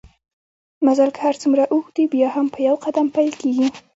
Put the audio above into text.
مزل که هرڅومره اوږده وي بیا هم په يو قدم پېل کېږي